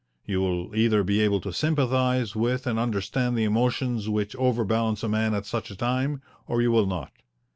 You will either be able to sympathize with and understand the emotions which overbalance a man at such a time, or you will not.